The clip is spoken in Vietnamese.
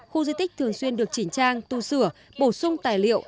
khu di tích thường xuyên được chỉnh trang tu sửa bổ sung tài liệu